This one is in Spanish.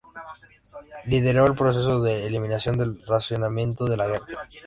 Lideró el proceso de eliminación del racionamiento de la guerra.